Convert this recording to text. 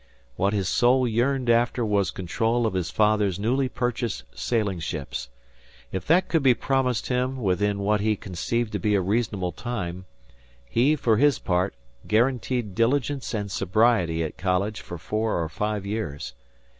What his soul yearned after was control of his father's newly purchased sailing ship. If that could be promised him within what he conceived to be a reasonable time, he, for his part, guaranteed diligence and sobriety at college for four or five years.